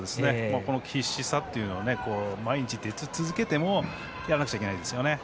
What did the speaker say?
必死さというのを毎日で続けてもやらなくちゃいけないんですよね